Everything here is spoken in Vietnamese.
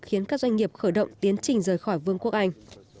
khiến các doanh nghiệp khởi động tiến trình rời khỏi vương quốc anh